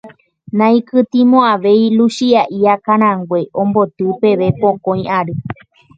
Ndaikytĩmo'ãvéi Luchia'i akãrague omboty peve pokõi ary.